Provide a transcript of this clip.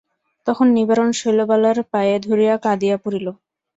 তখন নিবারণ শৈলবালার পায়ে ধরিয়া কাঁদিয়া পড়িল।